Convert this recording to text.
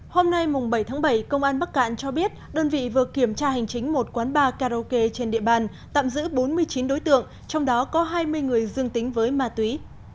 hôm nay bảy tháng bảy công an bắc cạn cho biết đơn vị vừa kiểm tra hành chính một quán bar karaoke trên địa bàn tạm giữ bốn mươi chín đối tượng trong đó có hai mươi người dương tính với ma túy